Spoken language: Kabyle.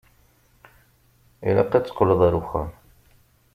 Ilaq ad teqqleḍ ar wexxam.